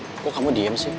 nat kok kamu diem sih